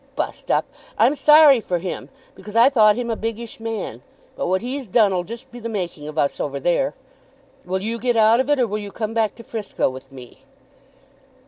Bu'st up! I'm sorry for him because I thought him a biggish man; but what he's done 'll just be the making of us over there. Will you get out of it, or will you come back to Frisco with me?"